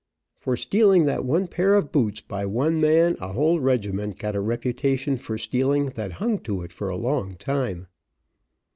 For stealing that one pair of boots, by one man, a whole regiment got a reputation for stealing that hung to it a long time.